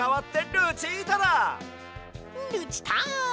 ルチタン！